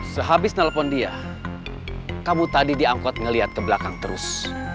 sehabis nelfon dia kamu tadi diangkut ngeliat ke belakang terus